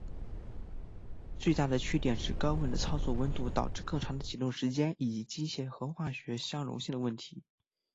最大的缺点是高温的操作温度导致更长的启动时间以及机械和化学相容性的问题。